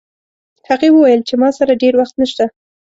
هغې وویل چې ما سره ډېر وخت نشته